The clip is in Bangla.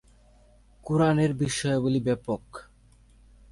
কুরআনের বিষয়াবলি ব্যাপক।